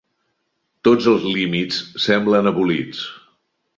Tots els límits semblen abolits.